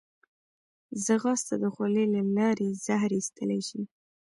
ځغاسته د خولې له لارې زهر ایستلی شي